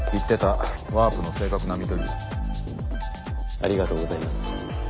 ありがとうございます。